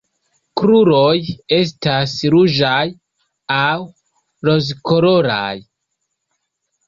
Kruroj estas ruĝaj aŭ rozkoloraj.